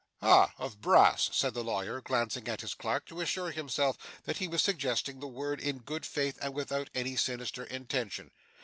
'Ah! of brass,' said the lawyer, glancing at his clerk, to assure himself that he had suggested the word in good faith and without any sinister intention.